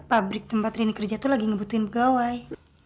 pabrik tempat rini kerja tuh lagi ngebutuhin pegawai